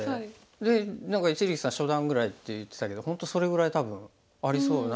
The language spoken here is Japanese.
で何か一力さん初段ぐらいって言ってたけど本当それぐらい多分ありそうな。